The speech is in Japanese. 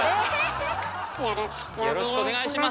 よろしくお願いします。